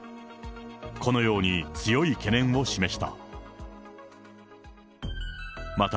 このように、強い懸念を示した。